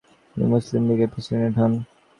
তিনি মুসলিম লীগের প্রেসিডেন্ট হন।